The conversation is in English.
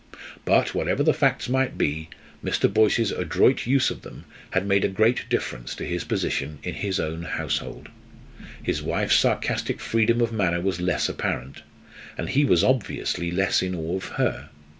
But, whatever the facts might be, Mr. Boyce's adroit use of them had made a great difference to his position in his own household. His wife's sarcastic freedom of manner was less apparent; and he was obviously less in awe of her.